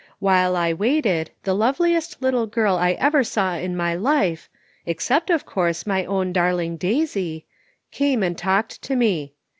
While I waited, the loveliest little girl I ever saw in my life, except, of course, my own dar ling Daisy, came and talked to me.